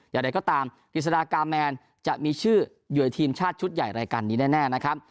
อย่างไรก็ตามกฤษฎากาแมนจะมีชื่ออยู่ในทีมชาติชุดใหญ่รายการนี้แน่นะครับ